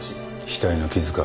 額の傷か？